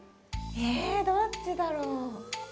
えどっちだろう？